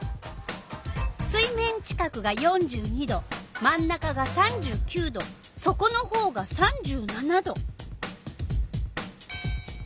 水面近くが４２℃真ん中が３９℃そこのほうが３７℃。